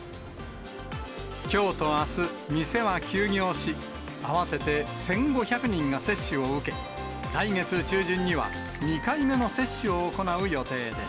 きょうとあす、店は休業し、合わせて１５００人が接種を受け、来月中旬には２回目の接種を行う予定です。